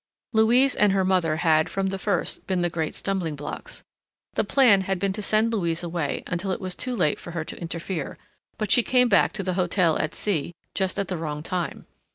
Louise and her mother had, from the first, been the great stumbling blocks. The plan had been to send Louise away until it was too late for her to interfere, but she came back to the hotel at C— just at the wrong time.